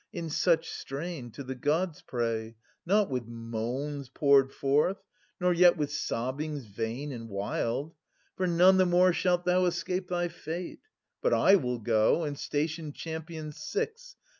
in such strain to the Gods pray, not with moans Poured forth, nor yet with sobbings vain and wild ; 280 For none the more shalt thou escape thy fate. But I will go, and station champions six.